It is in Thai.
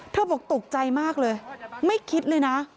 บอกตกใจมากเลยไม่คิดเลยนะ